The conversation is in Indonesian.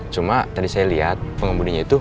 cuma tadi saya lihat pengemudinya itu